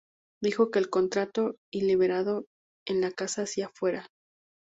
Dijo que el contrato y liberado en la casa hacia fuera.